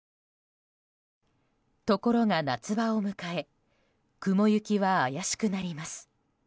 ところが夏場を迎え雲行きは怪しくなります。